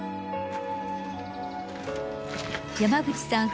山口さん